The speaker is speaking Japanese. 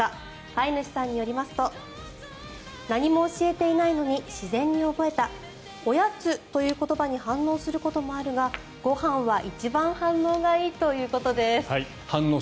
飼い主さんによりますと何も教えていないのに自然に覚えたおやつという言葉に反応することもあるがご飯は一番反応がいいということです。